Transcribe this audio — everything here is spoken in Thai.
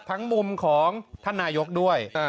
ทั้งมุมของท่านหนาโยกด้วย